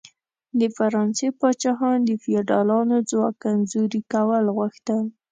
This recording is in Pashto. د فرانسې پاچاهان د فیوډالانو ځواک کمزوري کول غوښتل.